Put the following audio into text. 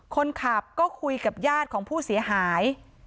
คนขับก็คุยกับญาติของผู้เสียหาย